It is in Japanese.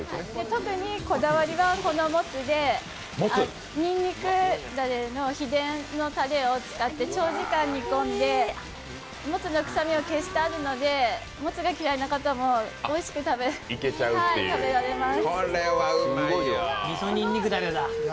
特にこだわりはこのもつでにんにくダレを使って長時間煮込んで、もつの臭みを消してあるので、もつが嫌いな方もおいしく食べられます。